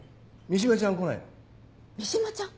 三島ちゃん？